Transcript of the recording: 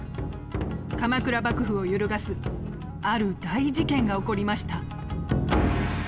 鎌倉幕府を揺るがすある大事件が起こりました。